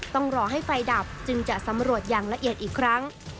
ต้องรอให้ไฟดับจึงจะสำรวจอย่างละเอียดอีกครั้ง